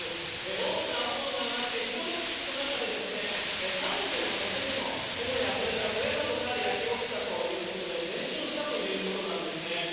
大きな炎が上がって、広い敷地の中で、３棟の建物、母屋、それから小屋などが焼け落ちたということで、全焼したということなんですね。